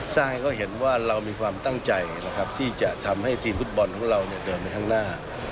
ให้เขาเห็นว่าเรามีความตั้งใจนะครับที่จะทำให้ทีมฟุตบอลของเราเดินไปข้างหน้า